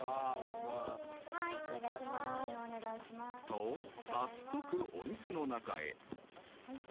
［と早速お店の中へ］